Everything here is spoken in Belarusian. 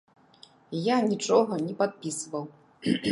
Я нічога не падпісваў.